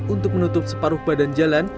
untuk menutup separuh badan jalan